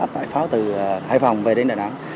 tại pháo từ hai phòng về đến đà nẵng